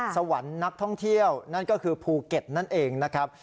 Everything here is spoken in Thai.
สวรรค์นักท่องเที่ยวนั่นก็คือภูเก็ตนั่นเองนะครับ